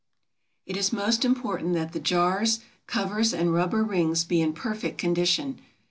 It is most important that the jars, covers, and rubber rings be in perfect condition.